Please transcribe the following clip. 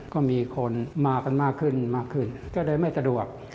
ก็มีคนมากันมากขึ้นก็เลยไม่ตะดวก